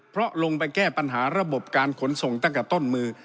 เพราะลงไปแก้ปัญหาระบบการขนส่งตั้งแต่ต้นมือ